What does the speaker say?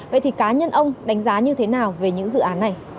vậy thì cá nhân ông đánh giá như thế nào về những dự án này